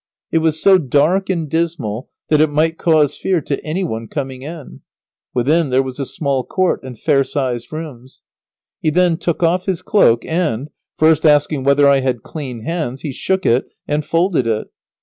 It was so dark and dismal that it might cause fear to any one coming in. Within there was a small court and fair sized rooms. He then took off his cloak and, first asking whether I had clean hands, he shook it and folded it.